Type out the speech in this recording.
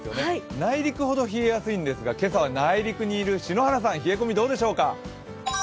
内陸ほど冷えやすいんですが今朝は内陸にいる篠原さん冷え込みどうでしょうか？